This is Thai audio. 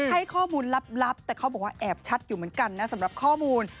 ให้ข้อมูลลับแต่เขาบอกว่าแอบชัดอยู่เหมือนกันนะสำหรับข้อมูล